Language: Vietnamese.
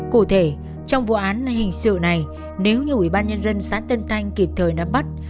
cụ thể trong vụ án hình sự này nếu như ubnd xã tân thanh kịp thời đáp bắt